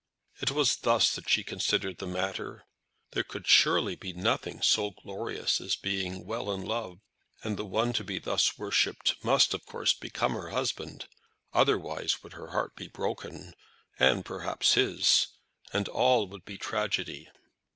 It was thus that she considered the matter. There could surely nothing be so glorious as being well in love. And the one to be thus worshipped must of course become her husband. Otherwise would her heart be broken, and perhaps his, and all would be tragedy.